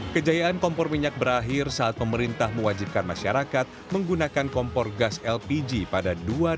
kejayaan kompor minyak berakhir saat pemerintah mewajibkan masyarakat menggunakan kompor gas lpg pada dua ribu dua puluh